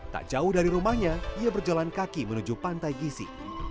tak jauh dari rumahnya ia berjalan kaki menuju pantai gisi